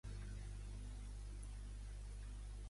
Afegeix Shweta Pandit a la llista de reproducció Novedades Pop.